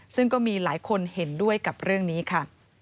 ซึ่งก็มีหลายคนเห็นด้วยกับเรื่องนี้ค่ะ